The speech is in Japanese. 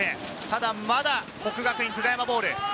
ただまだ國學院久我山ボール。